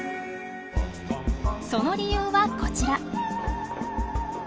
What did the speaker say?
その理由はこちら。